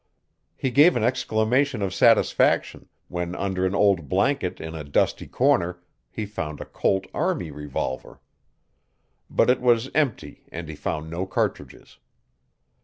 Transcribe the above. He gave an exclamation of satisfaction when under an old blanket in a dusty corner he found a Colt army revolver. But it was empty, and he found no cartridges.